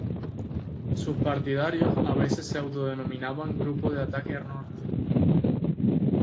Sus partidarios a veces se autodenominaban "Grupo de Ataque Norte".